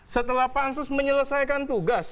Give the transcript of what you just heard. setelah pansus menyelesaikan tugas